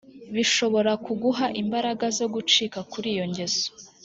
bishobora kuguha imbaraga zo gucika kuri iyo ngeso